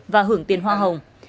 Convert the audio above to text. và hưởng tiền hoa hồng